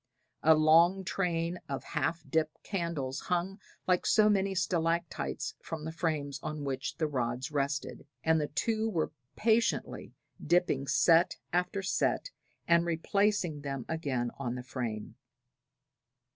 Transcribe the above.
A long train of half dipped candles hung like so many stalactites from the frames on which the rods rested, and the two were patiently dipping set after set and replacing them again on the frame.